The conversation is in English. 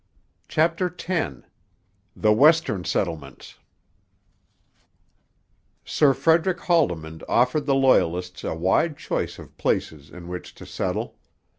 CHAPTER X THE WESTERN SETTLEMENTS Sir Frederick Haldimand Offered the Loyalists a wide choice of places in which to settle.